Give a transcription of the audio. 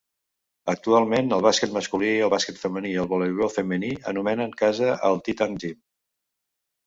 Actualment, el bàsquet masculí, el bàsquet femení i el voleibol femení anomenen casa al Titan Gym.